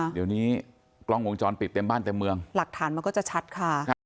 เดี๋ยวนี้กล้องวงจรปิดเต็มบ้านเต็มเมืองหลักฐานมันก็จะชัดค่ะ